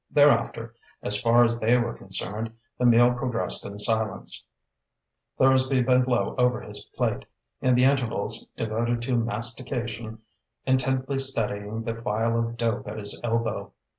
Thereafter, as far as they were concerned, the meal progressed in silence. Thursby bent low over his plate, in the intervals devoted to mastication intently studying the file of dope at his elbow.